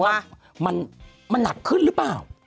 ว่ามันหนักขึ้นหรือเปล่า